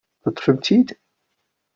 Teṭṭfem-tt-id?